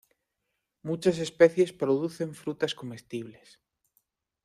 Muchas especies producen frutas comestibles.